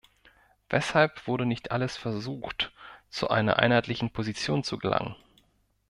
Weshalb wurde nicht alles versucht, zu einer einheitlichen Position zu gelangen?